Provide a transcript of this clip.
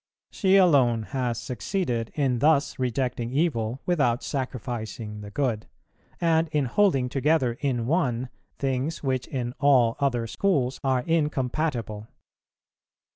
She alone has succeeded in thus rejecting evil without sacrificing the good, and in holding together in one things which in all other schools are incompatible.